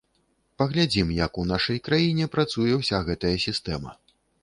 Паглядзім, як у нашай краіне працуе ўся гэтая сістэма.